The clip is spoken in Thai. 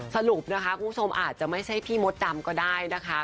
สรุปนะคะคุณผู้ชมอาจจะไม่ใช่พี่มดดำก็ได้นะคะ